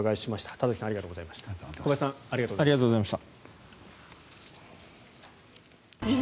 田崎さん、小林さんありがとうございました。